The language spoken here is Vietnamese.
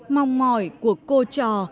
mong mỏi của cô trò